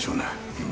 うん。